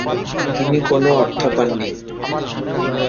তিনি কোন অর্থ পাননি।